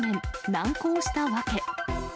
難航した訳。